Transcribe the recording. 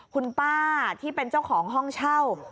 คุณป้าที่เป็นเจ้าของห้องเช่า